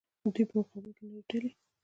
د دوی په مقابل کې نورې ډلې.